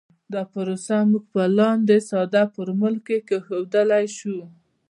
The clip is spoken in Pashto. دا پروسه موږ په لاندې ساده فورمول کې ښودلی شو